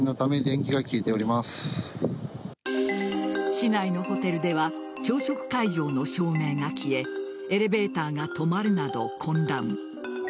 市内のホテルでは朝食会場の照明が消えエレベーターが止まるなど混乱。